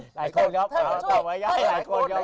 หลายคนหลายคนหลายคนหลายคน